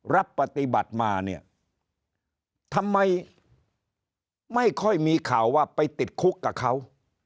รับปฏิบัติมาเนี่ยทำไมไม่ค่อยมีข่าวว่าไปติดคุกกับเขา